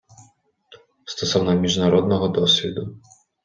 Стосовно міжнародного досвіду.